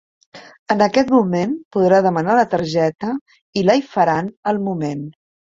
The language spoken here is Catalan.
En aquest moment podrà demanar la targeta i la hi faran al moment.